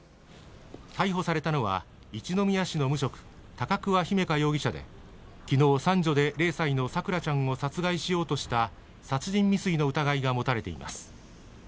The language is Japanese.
逮捕されたのは一宮市の無職高桑姫華容疑者で昨日、三女で０歳の咲桜ちゃんを殺害しようとした殺人未遂の疑いが持たれています。